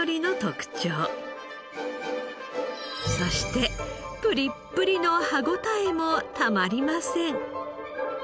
そしてプリップリの歯ごたえもたまりません。